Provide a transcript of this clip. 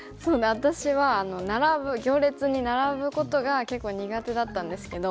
私は行列に並ぶことが結構苦手だったんですけど。